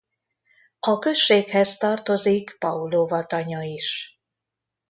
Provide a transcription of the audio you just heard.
A községhez tartozik Paulova-tanya is.